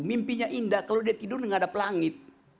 mimpinya indah kalau dia tidur di hadap langit